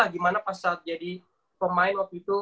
gimana pas saat jadi pemain waktu itu